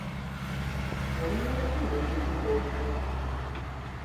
Нам нават і лепей у тоўстую.